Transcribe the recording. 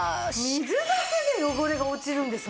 水だけで汚れが落ちるんですもんね！